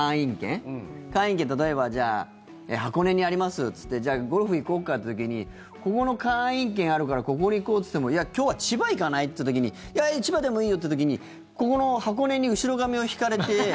でも、ゴルフの会員権会員権、例えば箱根にありますってじゃあゴルフ行こうかって時にここの会員権あるからここに行こうっていってもいや、今日は千葉行かない？って時にいや、千葉でもいいよっていう時にここの箱根に後ろ髪を引かれて。